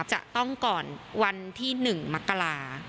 จะต้องก่อนวันที่๑มกรา